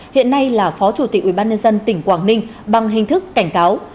hiện nay là phó chủ tịch ubnd tỉnh quảng ninh bằng hình thức cảnh cáo